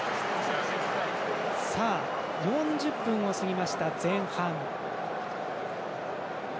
４０分を過ぎました、前半。